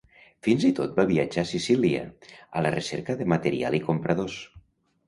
Fins i tot va viatjar a Sicília a la recerca de material i compradors.